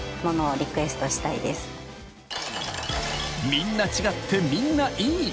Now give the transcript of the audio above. ［みんな違ってみんないい］